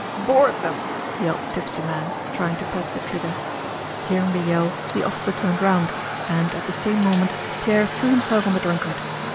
"Board them!" yelled the tipsy man, trying to press the trigger. Hearing the yell the officer turned round, and at the same moment Pierre threw himself on the drunkard.